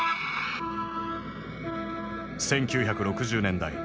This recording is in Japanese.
１９６０年代。